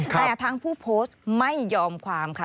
แต่ทางผู้โพสต์ไม่ยอมความค่ะ